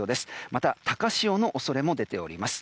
また高潮の恐れも出ています。